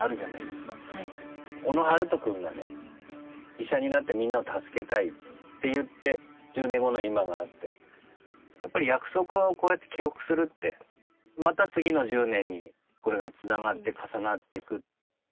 医者になってみんなを助けたいって言って１０年後の今があってやっぱり約束をこうやって記録するってまた次の１０年にこれがつながって重なってく。